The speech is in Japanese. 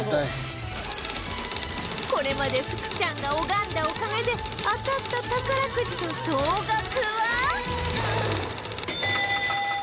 これまで福ちゃんが拝んだおかげで当たった宝くじの総額は